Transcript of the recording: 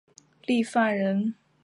郦范人。